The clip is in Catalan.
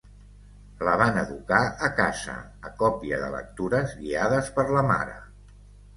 La van educar a casa, a còpia de lectures guiades per la mare.